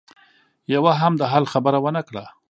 يوه هم د حل خبره ونه کړه.